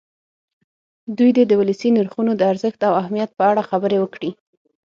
دوی دې د ولسي نرخونو د ارزښت او اهمیت په اړه خبرې وکړي.